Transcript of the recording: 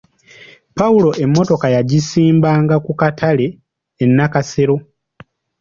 Pawulo emmotoka yagisimbanga ku katale e Nakasero.